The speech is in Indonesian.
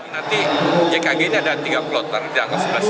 nanti jkg ini ada tiga puluh kloter di angkasa ini